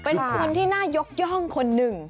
เป็นคนที่น่ายกย่องคนหนึ่ง